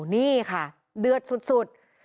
นี่ค่ะเดือดสุด